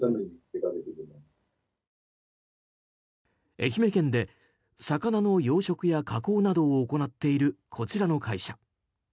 愛媛県で魚の養殖や加工などを行っているこちらの会社。